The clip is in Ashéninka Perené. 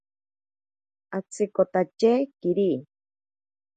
Atsikotache kiri.